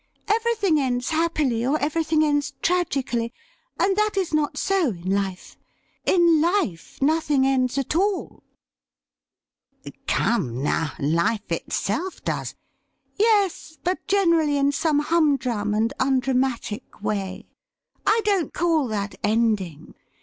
' Everything ends happily or everything ends tragically, and that is not so in life. In life nothing ends at all.' ' Come, now ; life itself does' '' Yes ; but generally in some humdrum and undramatic way. I don't call that ending.